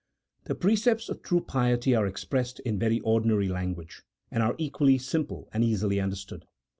The precepts of true piety are expressed in very ordinary language, and are equally simple and easily understood.